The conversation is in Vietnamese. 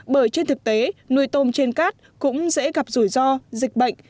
bởi trên thực tế nuôi tôm trên cát cũng dễ gặp rủi ro dịch bệnh